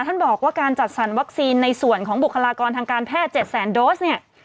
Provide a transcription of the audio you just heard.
ท่านบอกว่าการจัดสรรวัคซีนในส่วนของบุคลากรทางการแพทย์๗แสนโดสเนี่ย